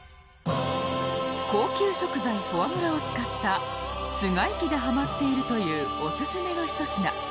高級食材フォアグラを使った菅井家でハマっているというオススメの一品。